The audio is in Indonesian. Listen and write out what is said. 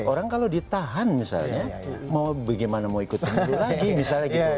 orang kalau ditahan misalnya mau bagaimana mau ikut pemilu lagi misalnya gitu